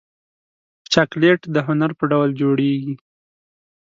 چاکلېټ د هنر په ډول جوړېږي.